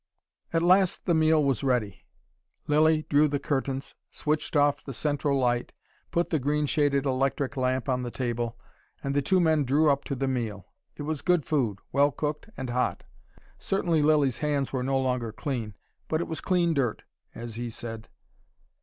At last the meal was ready. Lilly drew the curtains, switched off the central light, put the green shaded electric lamp on the table, and the two men drew up to the meal. It was good food, well cooked and hot. Certainly Lilly's hands were no longer clean: but it was clean dirt, as he said.